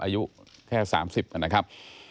อายุแค่๓๐นะครับ